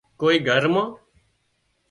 ڪوئي گھر مان